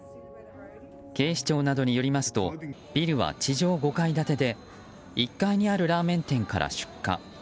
警視庁などによりますとビルは地上５階建てで１階にあるラーメン店から出火。